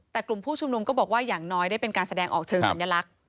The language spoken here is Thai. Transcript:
แต่กลุ่มผู้ชุมนุมก็บอกว่าอย่างน้อยได้เป็นการแสดงออกเชิงสัญลักษณ์